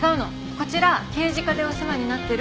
こちら刑事課でお世話になってる。